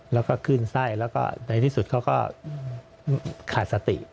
แล้วก็ขึ้นไส้แล้วก็ในที่สุดเขาก็ขาดสติ